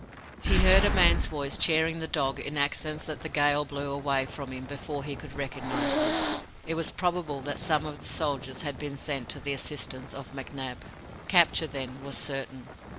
He heard a man's voice cheering the dog in accents that the gale blew away from him before he could recognize them. It was probable that some of the soldiers had been sent to the assistance of McNab. Capture, then, was certain.